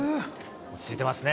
落ち着いてますね。